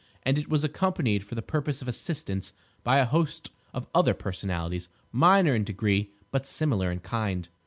And it was accompanied for the purposes of assistance by a host of other personalities, minor in degree, but similar in kind.